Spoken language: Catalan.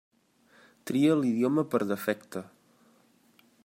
Tria l'idioma per defecte.